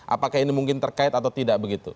apakah ini mungkin terkait atau tidak begitu